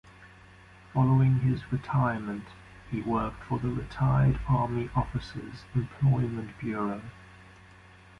Following his retirement he worked for the Retired Army Officers Employment Bureau.